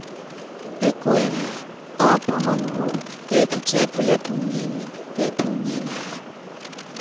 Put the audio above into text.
Ɛkuɛmɛ ɔɔ́pɔ́nɔnɔ wú tɛɛ́putíɛ́púlɛ́ púnyíní, tɛpúnyíní.